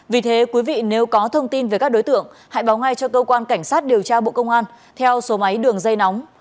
vì thế quý vị nếu có thông tin về các đối tượng hãy báo ngay cho cơ quan cảnh sát điều tra bộ công an theo số máy đường dây nóng sáu mươi chín hai trăm ba mươi bốn năm nghìn tám trăm sáu mươi